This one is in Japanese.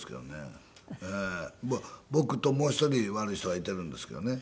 僕ともう一人悪い人がいてるんですけどね。